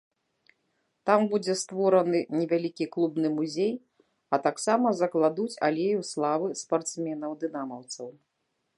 Там будзе створаны невялікі клубны музей, а таксама закладуць алею славы спартсменаў-дынамаўцаў.